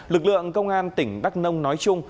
lực lượng công an tỉnh đắk nông nói chung